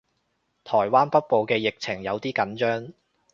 台灣北部嘅疫情有啲緊張